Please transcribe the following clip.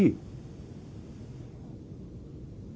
perintahnya sederhana aja